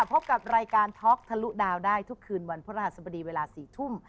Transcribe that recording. พบกับรายการท็อกทะลุดาวได้ทุกคืนวันพระหัสบดีเวลา๔ทุ่ม